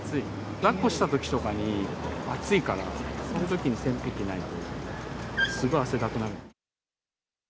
だっこしたときとかに、暑いから、そのときに扇風機ないと、すごい汗だくになる。